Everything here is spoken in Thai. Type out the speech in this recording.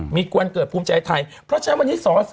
มีวันเกิดภูมิใจไทย